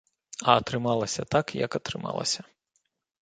А атрымалася так, як атрымалася.